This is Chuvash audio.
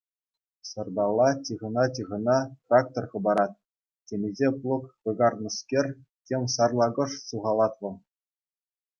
Сӑрталла, чыхӑна-чыхӑна, трактор хӑпарать, темиҫе плуг кӑкарнӑскер, тем сарлакӑш сухалать вӑл.